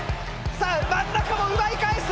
さあ真ん中も奪い返す！